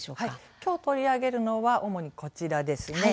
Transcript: きょう取り上げるのは主にこちらです。